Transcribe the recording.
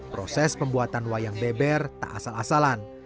proses pembuatan wayang beber tak asal asalan